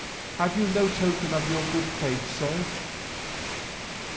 Have you no token of your good faith, sir?"